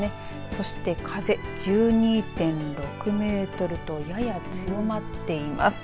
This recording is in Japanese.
そして風、１２．６メートルとやや強まっています。